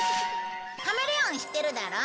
カメレオン知ってるだろ？